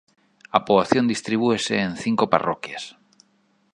A poboación distribúese en cinco parroquias